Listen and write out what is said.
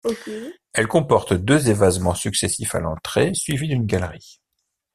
Elle comporte deux évasements successifs à l'entrée, suivis d'une galerie.